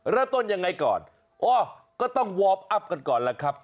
แล้วต้นอย่างไรก่อนก็ต้องวอร์มอัพกันก่อนแล้วครับ